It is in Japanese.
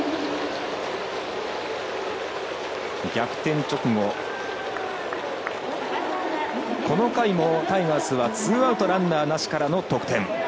逆転直後この回も、タイガースはツーアウト、ランナーなしから得点。